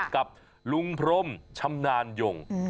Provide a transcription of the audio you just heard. กับลุงพรมชำนาญยง